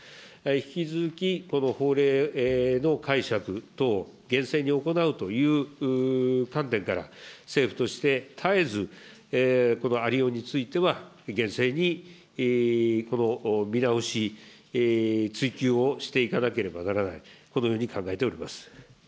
引き続き、この法令の解釈等を厳正に行うという観点から、政府として、たえずこのありようについては、厳正にこの見直し、追及をしていかなければならない、このように考えております。